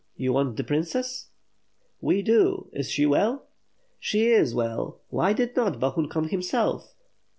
you want the princess?" "We do; is she well?" "She is well. Why did not Bohun come himself?"